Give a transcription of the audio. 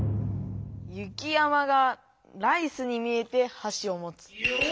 「雪山がライスに見えてはしを持つ」。